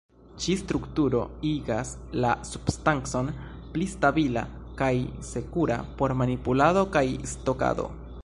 Ĉi-strukturo igas la substancon pli stabila kaj sekura por manipulado kaj stokado.